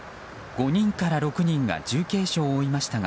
５人から６人が重軽傷を負いましたが